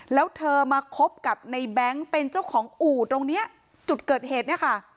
แล้วเธอมาคบกับในแบงค์เป็นเจ้าของอู่ตรงเนี้ยจุดเกิดเหตุเนี่ยค่ะ